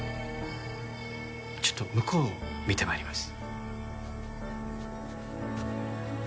ちょっと向こうを見て参ります。